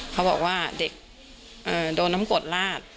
เขาบอกว่าเด็กโดนน้ำกรดลาด